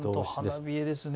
花冷えですね。